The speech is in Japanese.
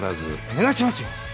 お願いしますよ。